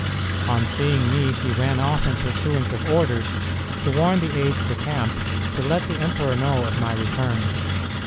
On seeing me he ran off in pursuance of orders to warn the aides de camp to let the emperor know of my return.